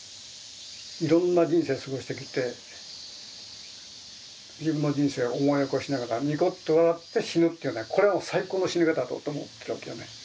いろんな人生過ごしてきて自分の人生を思い起こしながらニコッと笑って死ぬっていうのがこれは最高の死に方だと思ってるわけよね。